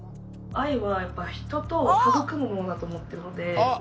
愛は人と育むものだと思ってるので。